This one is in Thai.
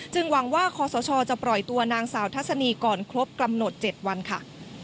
หวังว่าคอสชจะปล่อยตัวนางสาวทัศนีก่อนครบกำหนด๗วันค่ะ